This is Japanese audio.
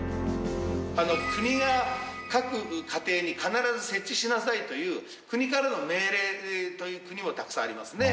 国が各家庭に必ず設置しなさいという国からの命令という国もたくさんありますね。